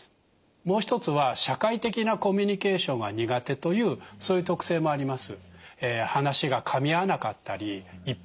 もう一つは社会的なコミュニケーションが苦手というそういう特性もあります。